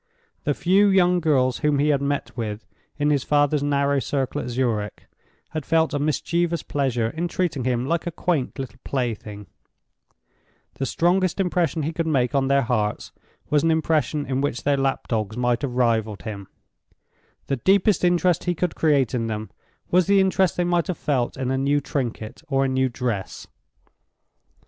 The few young girls whom he had met with, in his father's narrow circle at Zurich, had felt a mischievous pleasure in treating him like a quaint little plaything; the strongest impression he could make on their hearts was an impression in which their lap dogs might have rivaled him; the deepest interest he could create in them was the interest they might have felt in a new trinket or a new dress.